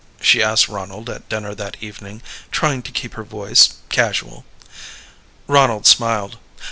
she asked Ronald at dinner that evening, trying to keep her voice casual. Ronald smiled.